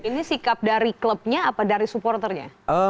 ini sikap dari klubnya apa dari supporternya